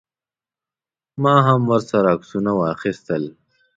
ما هم ورسره عکسونه واخیستل.